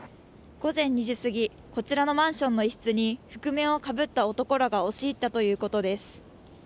午前２時過ぎこちらのマンションの一室に覆面をかぶった男らが押し入ったということです。